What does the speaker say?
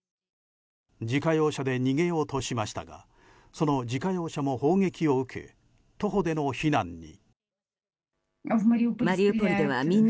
自家用車で逃げようとしましたがその自家用車も砲撃を受け徒歩での避難に。